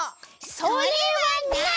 それはない！